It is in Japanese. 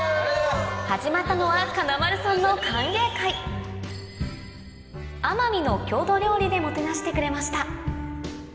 始まったのは金丸さんの歓迎会でもてなしてくれました